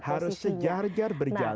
harus sejajar berjalan